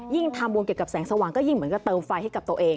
ทำบุญเกี่ยวกับแสงสว่างก็ยิ่งเหมือนกับเติมไฟให้กับตัวเอง